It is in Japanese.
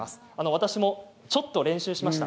私もちょっと練習をしました。